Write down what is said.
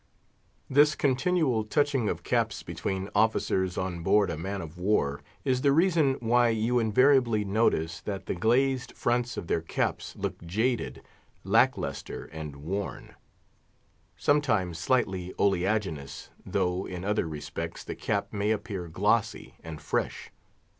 This continual touching of caps between officers on board a man of war is the reason why you invariably notice that the glazed fronts of their caps look jaded, lack lustre, and worn; sometimes slightly oleaginous—though, in other respects, the cap may appear glossy and fresh.